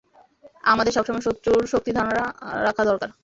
আমাদের সবসময় শত্রুর শক্তি ধারণা রাখা দরকার!